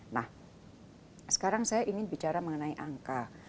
nah sekarang saya ingin bicara mengenai angka